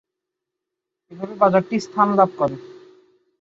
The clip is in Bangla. এভাবে বাজারটি স্থান লাভ করে।